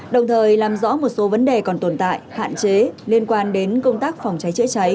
đồng thời làm rõ một số vấn đề còn tồn tại hạn chế liên quan đến công tác phòng cháy chữa cháy